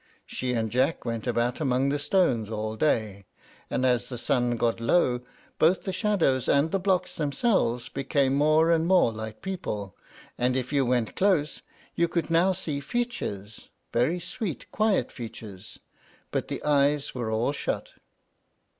She and Jack went about among the stones all day, and as the sun got low both the shadows and the blocks themselves became more and more like people, and if you went close you could now see features, very sweet, quiet features, but the eyes were all shut.